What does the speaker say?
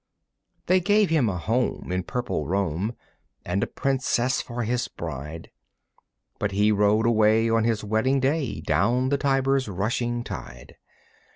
They gave him a home in purple Rome And a princess for his bride, But he rowed away on his wedding day Down the Tiber's rushing tide.